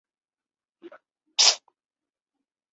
盾蕨为水龙骨科盾蕨属下的一个种。